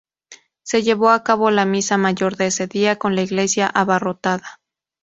Se llevó a cabo la misa mayor de ese día, con la iglesia abarrotada.